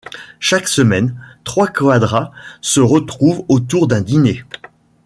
Chaque semaine, trois quadras se retrouvent autour d’un dîner.